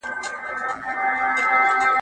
له آشنا لاري به ولي راستنېږم.